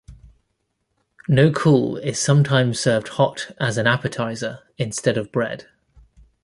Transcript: Nokul is sometimes served hot as an appetizer instead of bread.